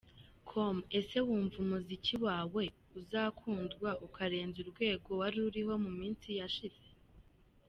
com: Ese wumva umuziki wawe uzakundwa ukarenza urwego wariho mu minsi yashize?.